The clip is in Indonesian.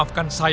buat tak mai